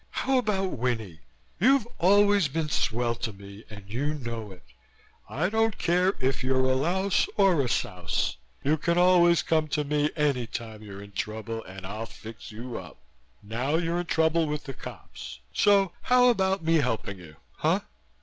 "How about Winnie? You've always been swell to me, and you know it. I don't care if you're a louse or a souse. You can always come to me any time you're in trouble and I'll fix you up. Now you're in trouble with the cops, so how about me helping you? Huh?"